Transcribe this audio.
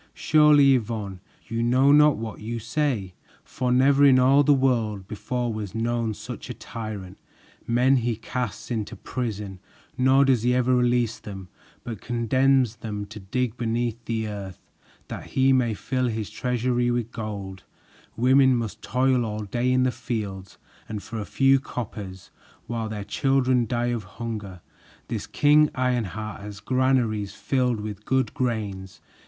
"Surely, Yvonne, you know not what you say, for never in all the world before was known such a tyrant! Men he casts into prison, nor does he ever release them, but condemns them to dig beneath the earth that he may fill his treasury with gold; women must toil all day in the fields and for a few coppers; while their children die of hunger, this King Ironheart has granaries filled full of good grains.